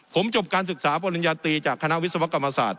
ผมจบการศึกษาปริญญาตรีจากคณะวิศวกรรมศาสตร์